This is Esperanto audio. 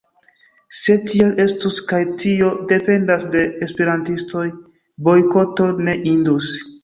Se tiel estus, kaj tio dependas de esperantistoj, bojkoto ne indus.